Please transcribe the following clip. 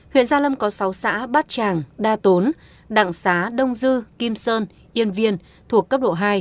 huyện gia lâm có sáu xã bát tràng đa tốn đặng xá đông dư kim sơn yên viên thuộc cấp độ hai